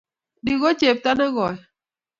Ni ko chepto ne koi.